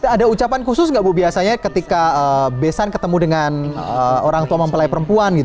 ada ucapan khusus nggak bu biasanya ketika besan ketemu dengan orang tua mempelai perempuan